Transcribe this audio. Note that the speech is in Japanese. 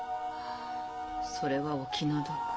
それはお気の毒。